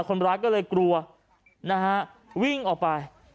คนร้ายก็เลยกลัวนะฮะวิ่งออกไป